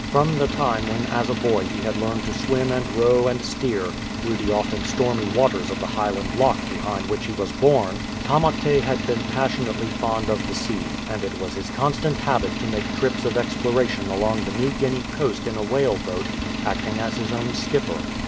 From the time when as a boy he had learned to swim and row and steer through the often stormy waters of the High land loch beside which he was born. Tamate had been 291 AN EXCITING EXPERIENCE passionately fond of the sea; and it was his constant habit to make trips of exploration along the New Guinea coast in a whale boat, acting as his own skipper.